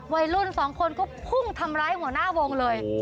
วัยรุ่นสองคนก็พุ่งทำร้ายหัวหน้าวงเลย